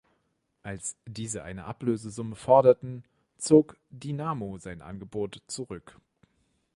Als diese eine Ablösesumme forderten, zog Dinamo sein Angebot zurück.